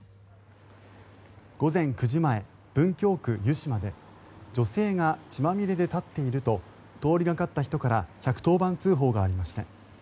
午前９時前、文京区湯島で女性が血まみれで立っていると通りがかった人から１１０番通報がありました。